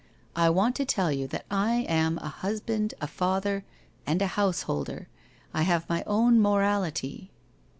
... I want to tell you that I am a husband, a father and a householder, I have my own mo rality.